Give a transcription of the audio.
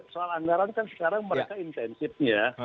soal anggaran kan sekarang mereka intensifnya